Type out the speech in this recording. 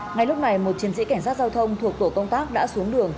ngay lúc này một chiến sĩ cảnh sát giao thông thuộc tổ công tác đã xuống đường